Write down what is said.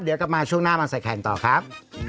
เดี๋ยวกลับมาช่วงหน้ามาใส่แขนต่อครับ